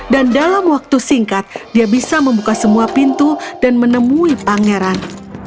dan dalam waktu singkat dia bisa membuka semua pintu dan menemui pangeran